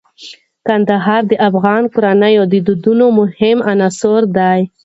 کندهار د افغان کورنیو د دودونو مهم عنصر دی.